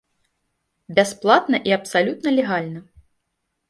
Бясплатна і абсалютна легальна.